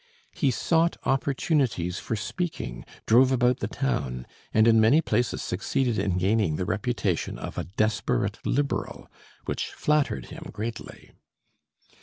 He sought opportunities for speaking, drove about the town, and in many places succeeded in gaining the reputation of a desperate Liberal, which flattered him greatly.